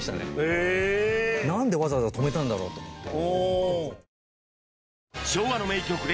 なんでわざわざ止めたんだろうと思って。